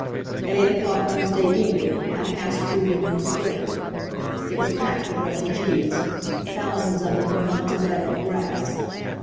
At eight o'clock Wednesday evening I passed through Union Square. It was packed with refugees. Thousands of them had gone to bed on the grass.